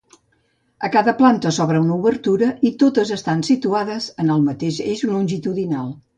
A cada planta s'obre una obertura i totes estan situades en el mateix eix longitudinal.